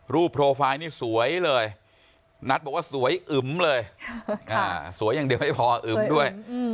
โปรไฟล์นี่สวยเลยนัทบอกว่าสวยอึมเลยสวยอย่างเดียวไม่พออึมด้วย